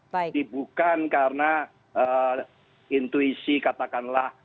jadi bukan karena intuisi katakanlah